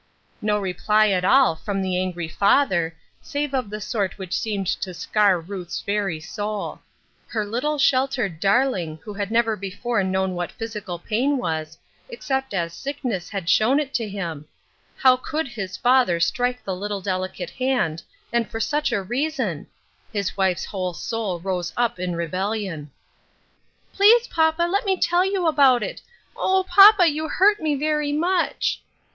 No reply at all from the angry father, save of the sort which seemed to scar Ruth's very soul. Her little sheltered darling, who had never before known what physical pain was, except as sickness "THE DEED FOR THE WILL." 1 39 had shown it to him ! How could his father strike the little delicate hand, and for such a reason ! The wife's whole soul rose up in rebellion. " Please, papa, let me tell you about it. Oh ! papa, you hurt me very much."